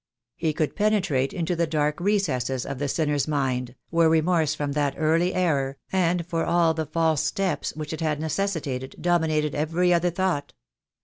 He could penetrate into the dark recesses of the sinner's mind, where remorse for that early error, and for all the false steps which it had necessitated, dominated every other thought.